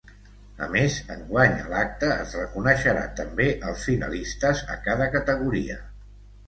A més, enguany a l’acte es reconeixerà també als finalistes a cada categoria.